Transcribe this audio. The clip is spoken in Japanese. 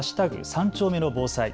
３丁目の防災。